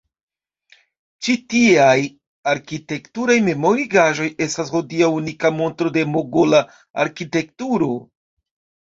Ĉi tieaj arkitekturaj memorigaĵoj estas hodiaŭ unika montro de mogola arkitekturo.